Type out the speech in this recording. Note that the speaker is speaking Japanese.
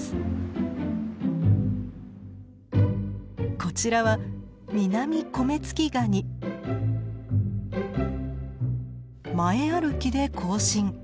こちらは前歩きで行進。